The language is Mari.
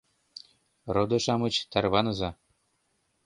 — Родо-шамыч, тарваныза.